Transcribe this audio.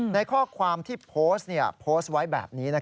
ในข้อความที่โพสต์โพสต์ไว้แบบนี้